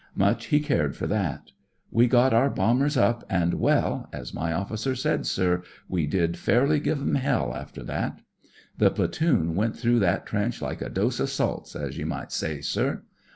Much he cared for that. We got our bombers up, and— well, as my officer g. SPIRIT OF BRITISH SOLDIER 29 1 i 1 said, sir, we did fairly give 'em heU after that. The platoon went through that trench like a dose o' salts, as ye might say, sir.